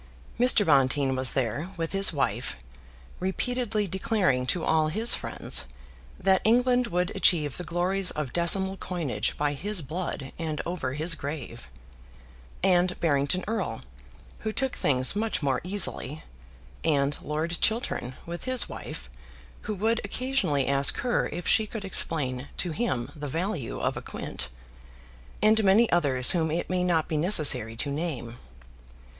Mr. Bonteen was there with his wife, repeatedly declaring to all his friends that England would achieve the glories of decimal coinage by his blood and over his grave, and Barrington Erle, who took things much more easily, and Lord Chiltern, with his wife, who would occasionally ask her if she could explain to him the value of a quint, and many others whom it may not be necessary to name.